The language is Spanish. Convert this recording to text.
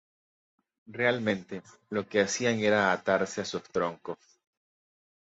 Realmente, lo que hacían era atarse a sus troncos.